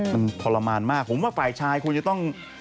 มันทรมานมากผมว่าฝ่ายชายควรจะต้อง